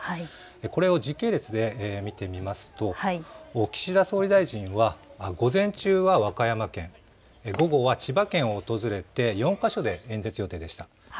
これを時系列で見てみますと、岸田総理大臣は午前中は和歌山県、午後は千葉県を訪れて４か所で演説予定でした。